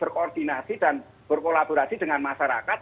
berkoordinasi dan berkolaborasi dengan masyarakat